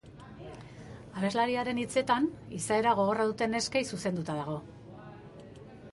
Abeslariaren hitzetan, izaera gogorra duten neskei zuzenduta dago.